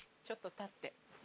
ちょっと立って。